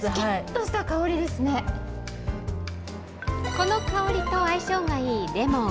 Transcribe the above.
この香りと相性がいい、レモン。